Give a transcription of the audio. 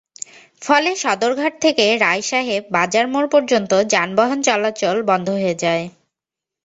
ফলে সদরঘাট থেকে রায়সাহেব বাজার মোড় পর্যন্ত যানবাহন চলাচল বন্ধ হয়ে যায়।